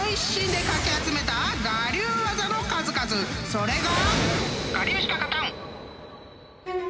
［それが］